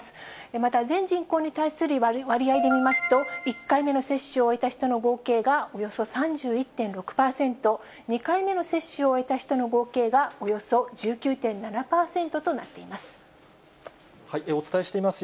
また全人口に対する割合で見ますと、１回目の接種を終えた人の合計がおよそ３１．６％、２回目の接種を終えた人の合計がおよそ１９．７％となっています。